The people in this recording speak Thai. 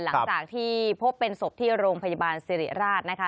หลังจากที่พบเป็นศพที่โรงพยาบาลสิริราชนะคะ